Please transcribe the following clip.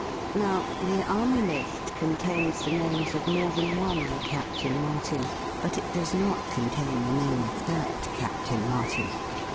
Now, the Army List contains the names of more than one Captain Martin, but it does not contain the name of that Captain Martin.